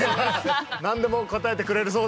何でも答えてくれるそうです。